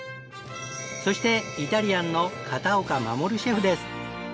そしてイタリアンの片岡護シェフです。